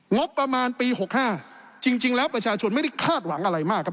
งบประมาณปี๖๕จริงแล้วประชาชนไม่ได้คาดหวังอะไรมากครับ